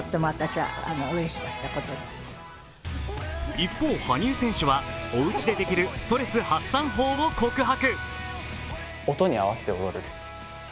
一方、羽生選手はおうちでできるストレス発散法を告白。